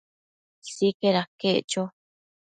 Sicaid aquec cho